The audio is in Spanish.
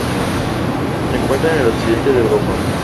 Se encuentra en el occidente de Europa.